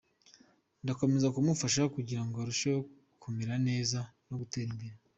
Ndakomeza kumufasha kugira ngo arusheho kumera neza no gutera imbere.